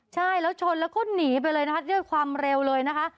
ใช่แล้วชนแล้วก็หนีไปเลยนะคะด้วยความเร็วเลยนะคะ